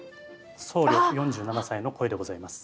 僧侶４７歳の声でございます。